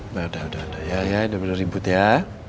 udah udah udah ya ya udah udah ribut ya